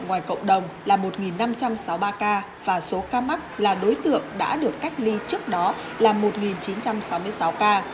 ngoài cộng đồng là một năm trăm sáu mươi ba ca và số ca mắc là đối tượng đã được cách ly trước đó là một chín trăm sáu mươi sáu ca